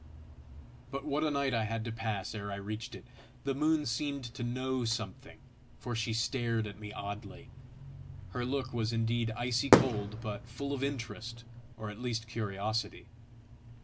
But what a night I had to pass ere I reached it! The moon seemed to know something, for she stared at me oddly. Her look was indeed icy cold, but full of interest, or at least curiosity.